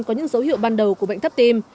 có những dấu hiệu ban đầu của bệnh thấp tim